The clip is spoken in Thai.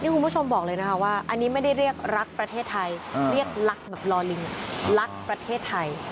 คุณผู้ชมบอกเลยนะคะว่าอันนี้ไม่ได้เรียกรักประเทศไทยเรียกรักแบบลอลิงรักประเทศไทย